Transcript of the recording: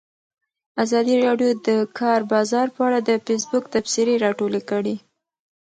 ازادي راډیو د د کار بازار په اړه د فیسبوک تبصرې راټولې کړي.